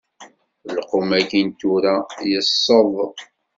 Lqum-agi n tura yesseḍ.